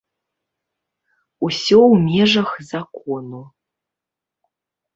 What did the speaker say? Усё ў межах закону.